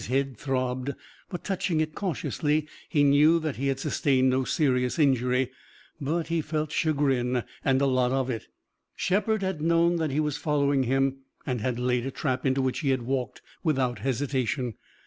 His head throbbed, but touching it cautiously he knew that he had sustained no serious injury. But he felt chagrin, and a lot of it. Shepard had known that he was following him and had laid a trap, into which he had walked without hesitation.